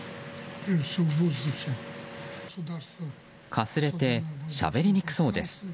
かすれてしゃべりにくそうです。